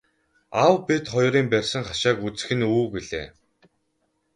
Аав бид хоёрын барьсан хашааг үзэх нь үү гэлээ.